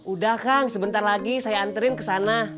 udah kang sebentar lagi saya anterin kesana